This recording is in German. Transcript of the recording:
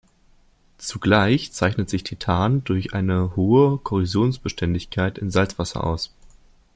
Zugleich zeichnet sich Titan durch eine hohe Korrosionsbeständigkeit in Salzwasser aus.